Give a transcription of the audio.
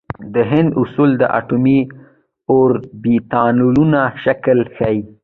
د هوند اصول د اټومي اوربیتالونو شکل ښيي.